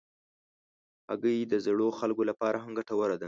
هګۍ د زړو خلکو لپاره هم ګټوره ده.